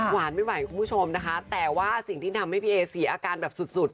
หวานไม่ไหวคุณผู้ชมนะคะแต่ว่าสิ่งที่ทำให้พี่เอเสียอาการแบบสุดสุด